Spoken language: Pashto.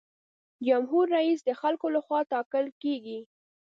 جمهور رئیس د خلکو له خوا ټاکل کیږي.